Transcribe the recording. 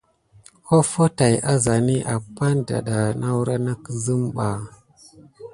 Offo tay azani apane daga ɗa naku ne wure na kusim ɓa.